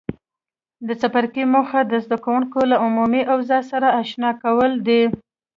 د څپرکي موخې زده کوونکي له عمومي اوضاع سره آشنا کول دي.